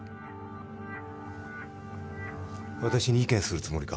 私に意見するつもりか？